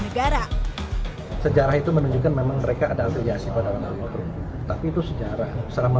negara sejarah itu menunjukkan memang mereka ada antusiasi pada orang hukum tapi itu sejarah selama